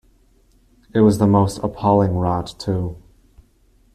It was the most appalling rot, too.